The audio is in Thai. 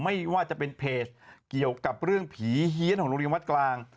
ไม่ว่าจะเป็นเพจเกี่ยวกับเรื่องผีเฮียนของโรงเรียนวัดกลาง